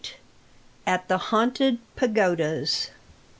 AT THE HAUNTED PAGODAS.